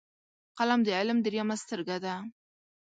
قلم د علم دریمه سترګه ده